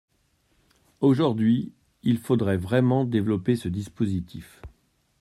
Aujourd’hui, il faudrait vraiment développer ce dispositif.